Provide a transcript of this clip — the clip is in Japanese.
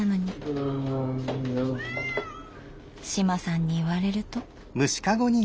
あ志麻さんに言われると。